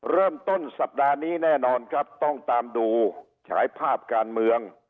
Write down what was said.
เริ่มต้นสัปดาห์นี้แน่นอนครับต้องตามดูฉายภาพการเมือง